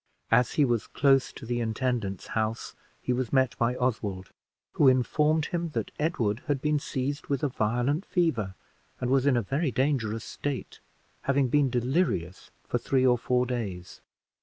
As he was close to the intendant's house he was met by Oswald, who informed him that Edward had been seized with a violent fever, and was in a very dangerous state, having been delirious for three or four days.